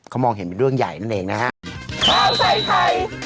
เขามองเห็นเป็นเรื่องใหญ่นั่นเองนะฮะ